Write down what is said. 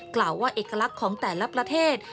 กล่าวว่าเอกลักษณ์ของแต่ละประเทศ